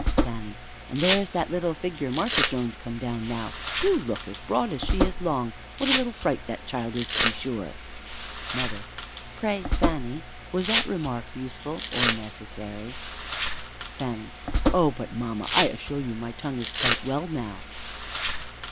Fanny. And there is that little figure, Martha Jones, come down now. Do look as broad as she is long! What a little fright that child is, to be sure! Mother. Pray, Fanny, was that remark useful or necessary? Fanny. Oh, but mamma, I assure you, my tongue is quite well now.